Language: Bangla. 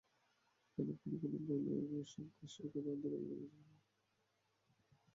কোনো কোনো বালুর সৈকতের অদূরে রয়েছে সবুজ ঘাসে ছেয়ে যাওয়া বিস্তীর্ণ মাঠ।